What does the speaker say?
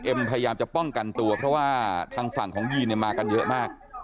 พยายามจะป้องกันตัวเพราะว่าทางฝั่งของยีนเนี่ยมากันเยอะมาก